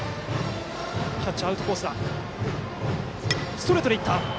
ストレートでいった！